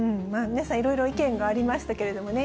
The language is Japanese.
皆さん、いろいろ意見がありましたけれどもね。